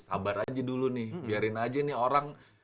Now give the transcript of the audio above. sabar aja dulu nih biarin aja nih orang